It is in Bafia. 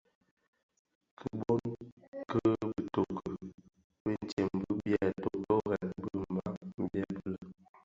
Kiboň ki bitoki bitsem bi byè totorèn bi Mbam byèbi lè: